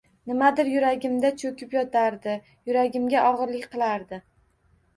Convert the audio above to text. Nimadir yuragimda cho‘kib yotardi, yuragimga og‘irlik qilardi